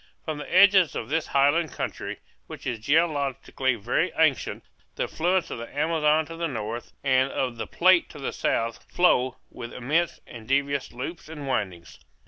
From the edges of this highland country, which is geologically very ancient, the affluents of the Amazon to the north, and of the Plate to the south, flow, with immense and devious loops and windings.